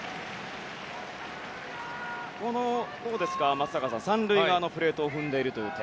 松坂さん、３塁側のプレートを踏んでいるという点